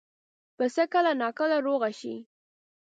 پسه کله ناکله ناروغه شي.